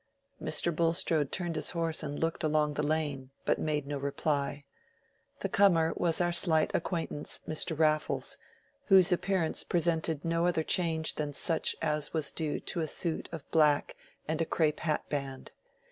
Mr. Bulstrode turned his horse and looked along the lane, but made no reply. The comer was our slight acquaintance Mr. Raffles, whose appearance presented no other change than such as was due to a suit of black and a crape hat band.